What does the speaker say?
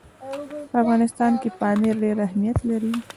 په افغانستان کې پامیر ډېر اهمیت لري.